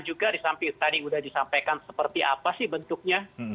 juga tadi sudah disampaikan seperti apa sih bentuknya